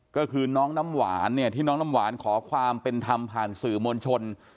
ก็คือน้องน้ำหวานเนี่ยที่น้องน้ำหวานขอความเป็นธรรมผ่านสื่อมวลชน